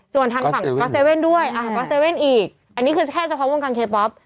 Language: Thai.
ส่วนทางฝั่งก๊อตเว่นด้วยก็เซเว่นอีกอันนี้คือแค่เฉพาะวงการเคป๊อป